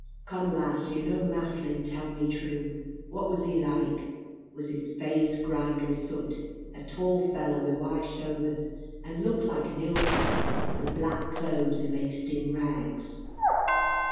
"Come, lass, yer no mafflin; tell me true. What was he like? Was his feyace grimed wi' sut? a tall fella wi' wide shouthers, and lukt like an ill thing, wi' black clothes amaist in rags?"